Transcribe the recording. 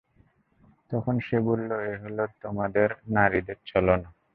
তখন সে বলল, এ হল তোমাদের নারীদের ছলনা।